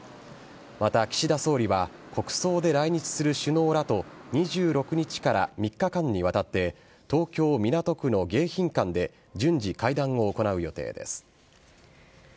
また、岸田総理は国葬で来日する首脳らと２６日から３日間にわたって東京・港区の迎賓館で順次会談を行う予定です。